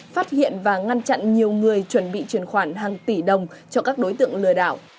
phát hiện và ngăn chặn nhiều người chuẩn bị chuyển khoản hàng tỷ đồng cho các đối tượng lừa đảo